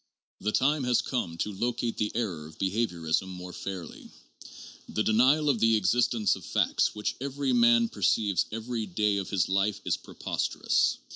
The time has come to locate the error of behaviorism more fairly. The denial of the existence of facts which every man perceives every day of his life is preposterous.